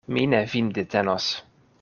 Mi ne vin detenos.